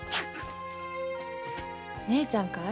姉ちゃんかい？